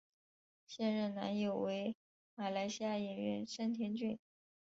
现任男友为马来西亚演员盛天俊。